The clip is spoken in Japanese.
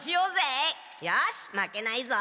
よしまけないぞ！